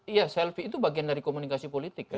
iya selfie itu bagian dari komunikasi politik